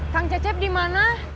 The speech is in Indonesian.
kang cecep dimana